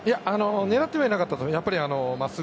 狙ってはいなかったと思います。